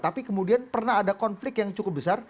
tapi kemudian pernah ada konflik yang cukup besar